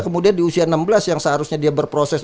kemudian di usia enam belas yang seharusnya dia berproses